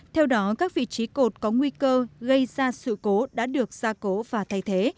theo đó các vị trí cột có nguy cơ gây ra sự cố đã được gia cố và thay thế